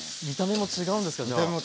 見た目も違うんですか？